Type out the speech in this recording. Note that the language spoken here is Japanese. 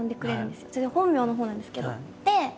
それ本名のほうなんですけど。